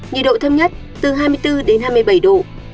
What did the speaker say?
nhiệt độ thấp nhất từ hai mươi bốn đến hai mươi bảy độ